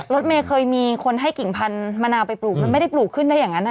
รถเมย์เคยมีคนให้กิ่งพันธุ์มะนาวไปปลูกมันไม่ได้ปลูกขึ้นได้อย่างนั้น